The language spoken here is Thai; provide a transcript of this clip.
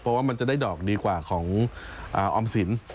เพราะว่ามันจะได้ดอกดีกว่าของออมสิน